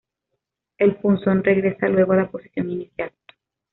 El punzón regresa luego a la posición inicial.